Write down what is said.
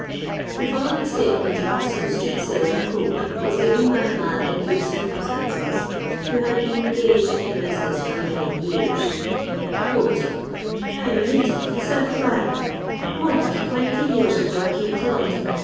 The following statement as to the street sale of coke was given by a man in good circumstanceiy who had been engaged in the business for many years: —" I am a native of the south of Ireland. Ucn nor twenty years ago I came to London.